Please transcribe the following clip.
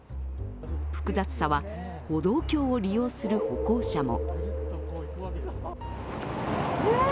複雑さは歩道橋を利用する歩行者も。